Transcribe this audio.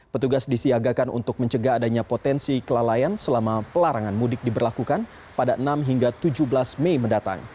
petugas disiagakan untuk mencegah adanya potensi kelalaian selama pelarangan mudik diberlakukan pada enam hingga tujuh belas mei mendatang